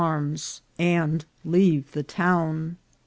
arms and leave the town.